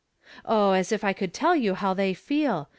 " Oh, as if I could tell you how they feel